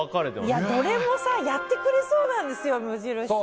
どれもやってくれそうなんですよ